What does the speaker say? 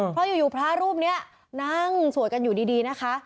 เพราะอยู่พระรูปนี้นั่งสวดกันอยู่ดีนะคะ